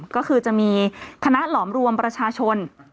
ก็คือจะมีคณะหลอมรวมประชาชน